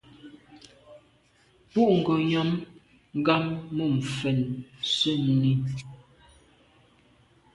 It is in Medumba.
Bo ghom nyàm gham mum fèn sènni.